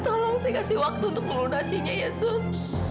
tolong saya kasih waktu untuk melunasinya ya sus